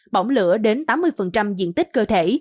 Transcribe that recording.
bỏng lửa đến tám mươi diện tích cơ thể